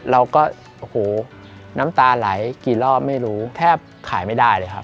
เราก็โอ้โหน้ำตาไหลกี่รอบไม่รู้แทบขายไม่ได้เลยครับ